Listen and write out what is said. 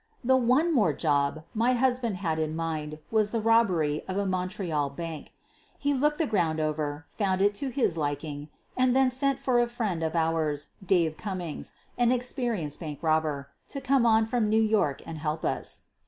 The "one more job" my husband had in mind was the robbery of a Montreal bank. He looked the ground over, found it to his liking, and then sent for a friend of ours, Dave Cummings, an experi enced bank robber, to come on from New York and help us.